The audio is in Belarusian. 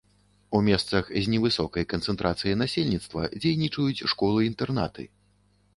У месцах з невысокай канцэнтрацыяй насельніцтва дзейнічаюць школы-інтэрнаты.